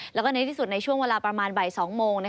แล้วก็ในที่สุดในช่วงเวลาประมาณบ่าย๒โมง